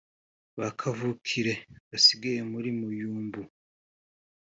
Ba kavukire basigaye muri Muyumbu